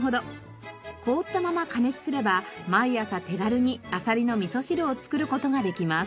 凍ったまま加熱すれば毎朝手軽にアサリのみそ汁を作る事ができます。